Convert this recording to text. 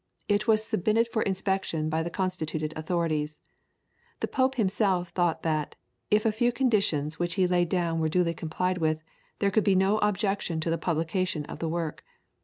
It was submitted for inspection by the constituted authorities. The Pope himself thought that, if a few conditions which he laid down were duly complied with, there could be no objection to the publication of the work.